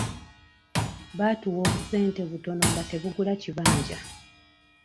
Baatuwa obusente butono nga tebugula kibanja.